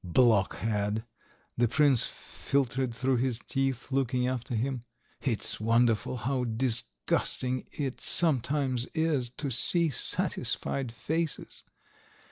"Blockhead!" the prince filtered through his teeth, looking after him. "It's wonderful how disgusting it sometimes is to see satisfied faces.